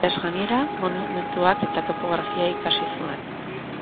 Historiaz gainera, monumentuak eta topografia ikasi zuen.